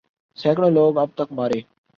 سینکڑوں لوگ اب تک مارے